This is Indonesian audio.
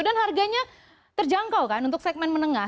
dan harganya terjangkau kan untuk segmen menengah